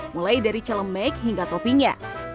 mulai dari celemek hingga toppingnya